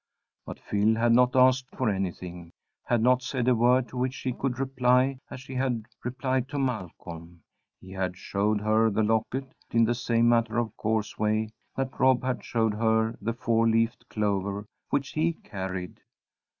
But Phil had not asked for anything; had not said a word to which she could reply as she had replied to Malcolm. He had showed her the locket in the same matter of course way that Rob had showed her the four leafed clover which he carried.